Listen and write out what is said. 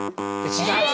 違う。